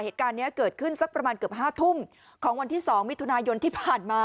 เหตุการณ์นี้เกิดขึ้นสักประมาณเกือบ๕ทุ่มของวันที่๒มิถุนายนที่ผ่านมา